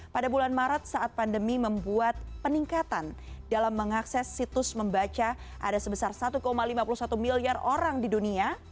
pada bulan maret saat pandemi membuat peningkatan dalam mengakses situs membaca ada sebesar satu lima puluh satu miliar orang di dunia